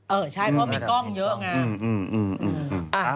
เออใช่เพราะว่ามีกล้องเยอะงาม